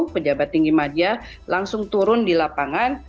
pejabat tinggi maja langsung turun di lapangan